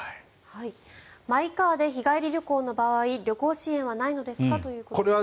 マイカーで日帰り旅行の場合旅行支援はないのですかということです。